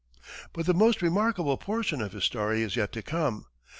But the most remarkable portion of his story is yet to come.